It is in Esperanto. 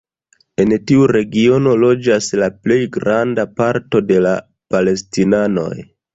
En tiu regiono loĝas la plej granda parto de la palestinanoj.